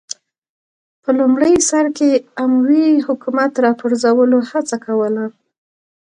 په لومړي سر کې اموي حکومت راپرځولو هڅه کوله